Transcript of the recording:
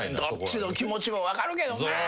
どっちの気持ちも分かるけどな。